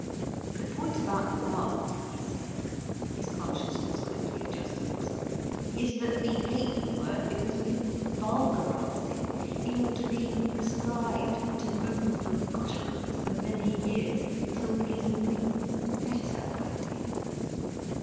"The point about love," he said, his consciousness quickly adjusting itself, "is that we hate the word because we have vulgarised it. It ought to be prescribed, tabooed from utterance, for many years, till we get a new, better idea."